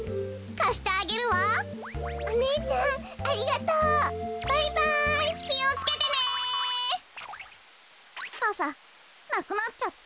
かさなくなっちゃった。